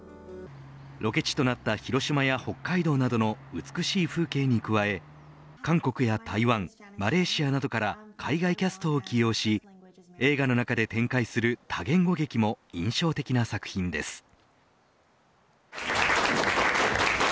ロケ地となった広島や北海道などの美しい風景に加え韓国や台湾、マレーシアなどから海外キャストを起用し映画の中で展開する多言語劇も印象的な作品です。